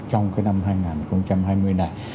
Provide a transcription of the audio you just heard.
trong cái năm hai nghìn hai mươi này